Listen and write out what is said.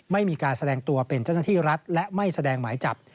ไม่มีการแสดงตัวเป็นเจ้าหน้าที่รัฐและไม่แสดงหมายจับ